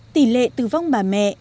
tỷ lệ tử vong bà mẹ